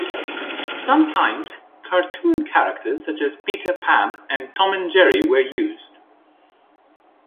Sometimes cartoon characters such as Peter Pan and Tom and Jerry were used.